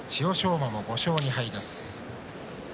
馬も５勝２敗です。